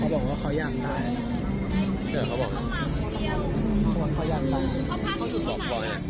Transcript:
อันนี้ก็ไปมาเนี่ยว่ากลัวไหนคือวัดสุธิวราราม